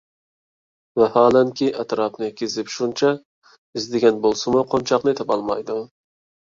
ۋاھالەنكى، ئەتراپنى كېزىپ شۇنچە ئىزدىگەن بولسىمۇ، قونچاقنى تاپالمايدۇ.